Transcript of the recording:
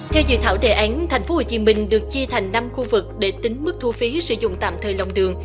theo dự thảo đề án tp hcm được chia thành năm khu vực để tính mức thu phí sử dụng tạm thời lòng đường